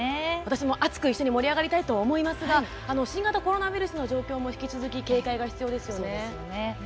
私も熱く一緒に盛り上がりたいと思いますが新型コロナウイルスの感染状況も引き続き警戒が必要ですね。